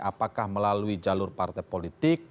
apakah melalui jalur partai politik